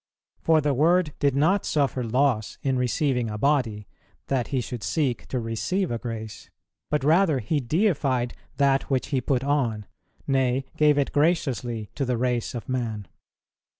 For the Word did not suffer loss in receiving a body, that He should seek to receive a grace, but rather He deified that which He put on, nay, gave it graciously to the race of man.